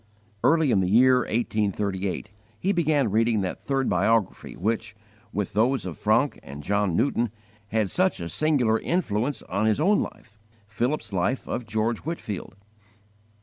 Early in the year 1838, he began reading that third biography which, with those of Francke and John Newton, had such a singular influence on his own life Philip's Life of George Whitefield.